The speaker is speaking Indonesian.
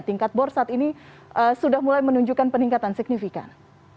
tingkat bor saat ini sudah mulai menunjukkan peningkatan signifikan